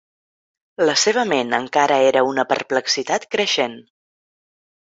La seva ment encara era una perplexitat creixent.